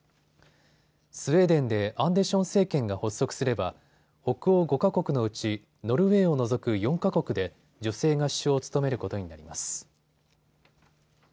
スウェーデンでアンデション政権が発足すれば北欧５か国のうちノルウェーを除く４か国で女性が首相を務めることになります。